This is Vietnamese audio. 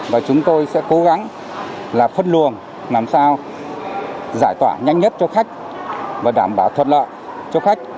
và chúng tôi sẽ cố gắng là phân luồng làm sao giải tỏa nhanh nhất cho khách và đảm bảo thuận lợi cho khách